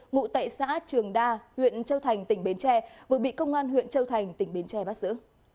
ngụ tại xã trường đa huyện châu thành tỉnh bến tre vừa bị công an huyện châu thành tỉnh bến tre bắt giữ